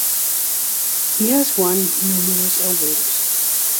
He has won numerous awards.